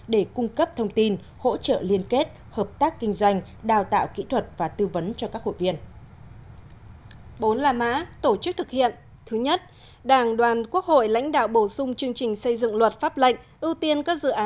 để cung cấp thông tin hỗ trợ liên kết hợp tác kinh doanh đào tạo kỹ thuật và tư vấn cho các hội viên